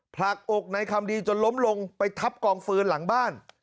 ผลักอกในคำดีจนล้มลงไปทับกองฟืนหลังบ้าน